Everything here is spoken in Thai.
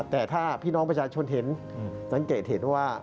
แต่ถ้าพี่น้องประชาชนเห็นสังเกตเห็นว่า